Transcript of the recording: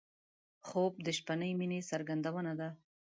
خوب د شپهنۍ مینې څرګندونه ده